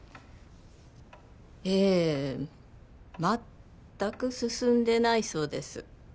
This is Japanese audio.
ええまったく進んでないそうです